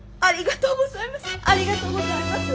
ありがとうございます！